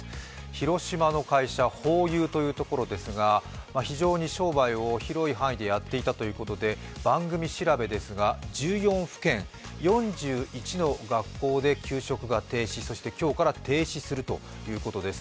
広島の会社、ホーユーというところですが非常に商売を広い範囲でやっていたということで番組調べですが１４府県４１の学校で給食が停止、それから今日から停止するということです。